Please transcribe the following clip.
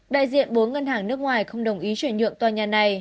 đại diện bốn ngân hàng nước ngoài không đồng ý chuyển nhượng tòa nhà này